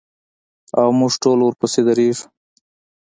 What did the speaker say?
او موږ ټول ورپسې درېږو.